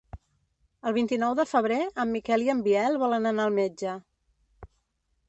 El vint-i-nou de febrer en Miquel i en Biel volen anar al metge.